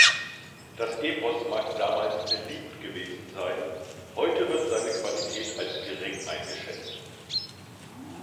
Das Epos mag damals beliebt gewesen sein, heute wird seine Qualität als gering eingeschätzt.